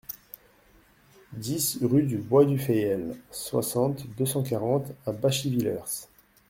dix rue du Bois du Fayel, soixante, deux cent quarante à Bachivillers